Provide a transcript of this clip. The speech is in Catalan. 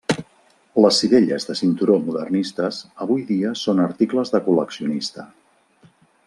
Les sivelles de cinturó modernistes avui dia són articles de col·leccionista.